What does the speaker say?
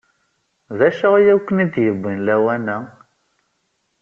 D acu ay ken-id-yewwen lawan-a?